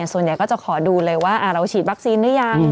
ส่วนใหญ่ก็จะขอดูเลยว่าเราฉีดวัคซีนหรือยัง